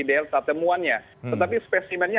delta temuannya tetapi spesimennya